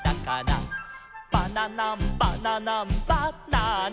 「バナナンバナナンバナナ」